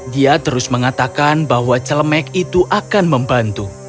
dia terus mengatakan bahwa celemek itu akan membantu